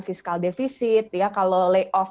fiskal defisit kalau layoff